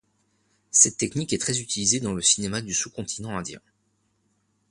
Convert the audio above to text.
Cette technique est très utilisée dans le cinéma du sous-continent indien.